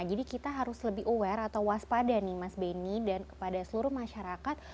jadi kita harus lebih aware atau waspada nih mas beni dan kepada seluruh masyarakat